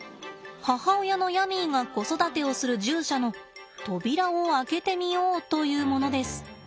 母親のヤミーが子育てをする獣舎の扉を開けてみようというものです。